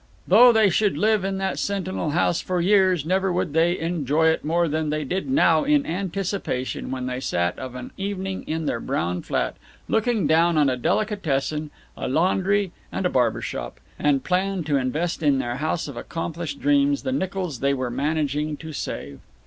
Though they should live in that sentinel house for years, never would they enjoy it more than they now did in anticipation when they sat of an evening in their brown flat, looking down on a delicatessen, a laundry, and a barber shop, and planned to invest in their house of accomplished dreams the nickels they were managing to save.